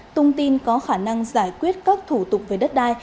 tung tin có khả năng giải quyết các thủ tục về đất đai